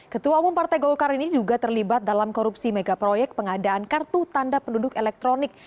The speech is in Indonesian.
ketua umum partai golkar ini juga terlibat dalam korupsi megaproyek pengadaan kartu tanda penduduk elektronik